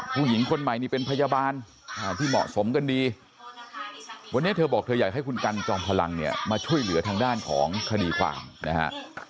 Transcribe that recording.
ผู้หญิงคนใหม่นี่เป็นพยาบาลที่เหมาะสมกันดีวันนี้เธอบอกเธออยากให้คุณกันจอมพลังเนี่ยมาช่วยเหลือทางด้านของคดีความนะฮะ